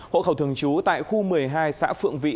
hộ khẩu thường trú tại khu một mươi hai xã phượng vị